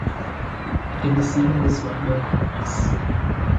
It can be seen in the Swartberg Pass.